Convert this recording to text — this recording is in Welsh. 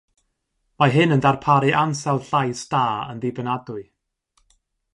Mae hyn yn darparu ansawdd llais da yn ddibynadwy.